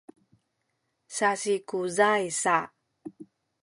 sazikuzay sa